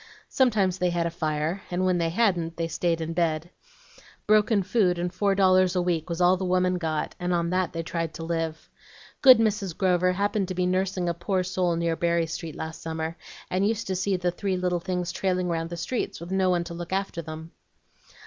Sometimes they had a fire, and when they hadn't they stayed in bed. Broken food and four dollars a week was all the woman got, and on that they tried to live. Good Mrs. Grover happened to be nursing a poor soul near Berry Street last summer, and used to see the three little things trailing round the streets with no one to look after them.